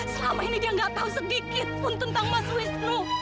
selama ini dia gak tau segikit pun tentang mas wisnu